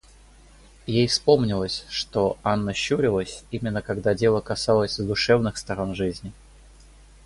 И ей вспомнилось, что Анна щурилась, именно когда дело касалось задушевных сторон жизни.